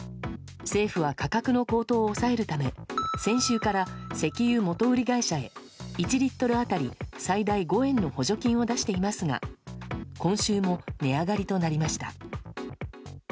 政府は価格の高騰を抑えるため先週から石油元売り会社へ１リットル当たり最大５円の補助金を出していますが今週も値上がりとなりました。